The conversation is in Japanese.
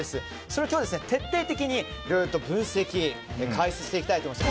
それを今日は徹底的にいろいろと分析・解説したいと思います。